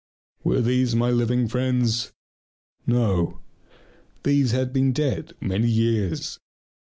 Were these my living friends? No, these had been dead many years.